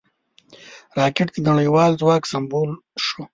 راکټ د نړیوال ځواک سمبول شو